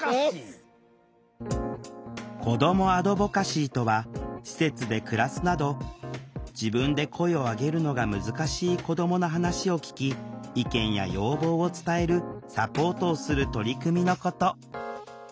子どもアドボカシーとは施設で暮らすなど自分で声を上げるのが難しい子どもの話を聴き意見や要望を伝えるサポートをする取り組みのこと。